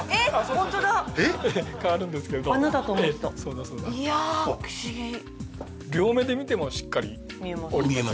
ホントだ変わるんですけど穴だと思ってたいや不思議両目で見てもしっかり見えます